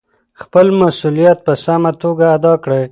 خپل مسؤلیت په سمه توګه ادا کړئ.